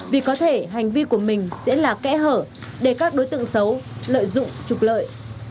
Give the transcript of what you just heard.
vì có thể hành vi của mình sẽ là kẽ hở để các đối tượng xấu lợi dụng trục lợi